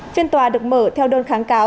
phiên tòa được mở theo đơn kháng cáo